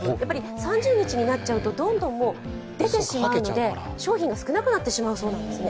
３０日になっちゃうと、どんどん出てしまうので、商品が少なくなってしまうそうなんですね。